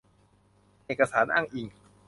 เอกสารอ้างอิง